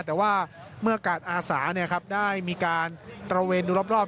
แต่ว่าเมื่อกาศอาสาเนี่ยครับได้มีการตระเวนดูรอบรอบ